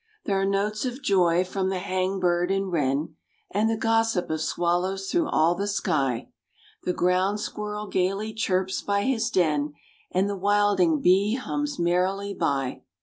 There are notes of joy from the hang bird and wren, And the gossip of swallows through all the sky; The ground squirrel gaily chirps by his den, And the wilding bee hums merrily by.